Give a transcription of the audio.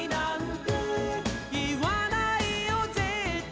「言わないよ絶対」